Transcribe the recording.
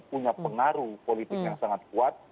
punya pengaruh politik yang sangat kuat